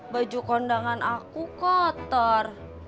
baju kondangan aku kotor